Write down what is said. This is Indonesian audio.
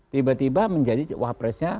tiba tiba menjadi wafresnya